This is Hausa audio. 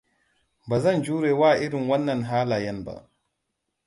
Ba zan jure wa irin wannan halayen ba.